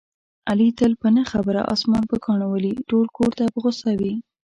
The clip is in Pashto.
علي تل په نه خبره اسمان په کاڼو ولي، ټول کورته په غوسه وي.